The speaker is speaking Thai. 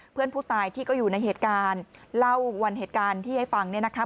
เพื่อนผู้ตายที่ก็อยู่ในเหตุการณ์เล่าวันเหตุการณ์ที่ให้ฟังเนี่ยนะคะ